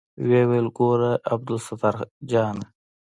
ويې ويل ګوره عبدالستار جانه.